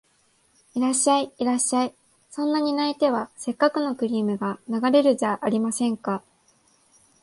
いらっしゃい、いらっしゃい、そんなに泣いては折角のクリームが流れるじゃありませんか